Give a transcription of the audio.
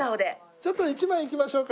ちょっと１枚いきましょうか。